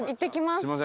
すみません。